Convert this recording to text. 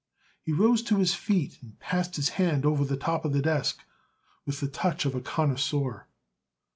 He rose to his feet and passed his hand over the top of the desk with the touch of a connoisseur.